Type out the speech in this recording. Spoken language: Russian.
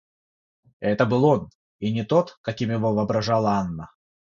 Это был он, и не тот, каким его воображала Анна.